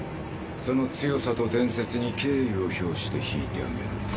その強さと伝説に敬意を表して退いてあげる。